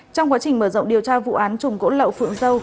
trong quá trình mở rộng điều tra vụ án chùm gỗ lậu phượng dâu